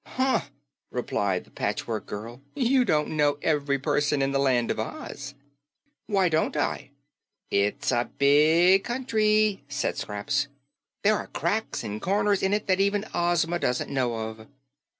"Huh!" replied the Patchwork Girl. "You don't know ev'ry person in the Land of Oz." "Why don't I?" "It's a big country," said Scraps. "There are cracks and corners in it that even Ozma doesn't know of."